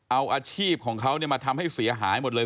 เอาอาชีพของเขามาทำให้เสียหายหมดเลย